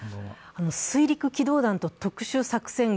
水陸機動団と特殊作戦群